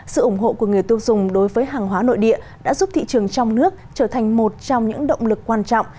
sự ủng hộ của người tiêu dùng đối với hàng hóa nội địa đã giúp thị trường trong nước trở thành một trong những động lực quan trọng